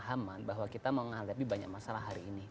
dan juga pemahaman bahwa kita menghadapi banyak masalah hari ini